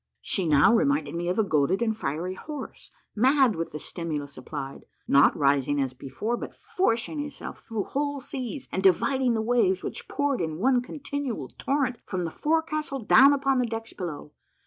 She now reminded me of a goaded and fiery horse, mad with the stimulus applied; not rising as before, but forcing herself through whole seas, and dividing the waves, which poured in one continual torrent from the forecastle down upon the decks below.